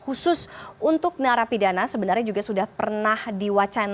apakah rekab tory bagi nisations ke tiga orang